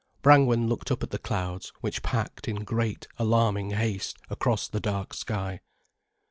Brangwen looked up at the clouds which packed in great, alarming haste across the dark sky.